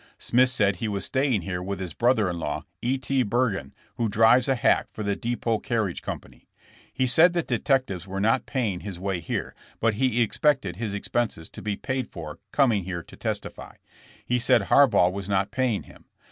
Smith said he was staying here with his brotherrin law, E. T. Bergen, who drives a hack for the Depot Carriage company. He said that detectives were not paying his way here, but he expected his expenses to be paid for coming here to testify. He said Harbaugh was not paying him.